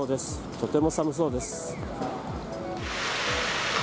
とても寒そうです。